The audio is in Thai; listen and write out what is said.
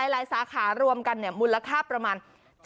หลายสาขารวมกันเนี่ยมูลค่าประมาณ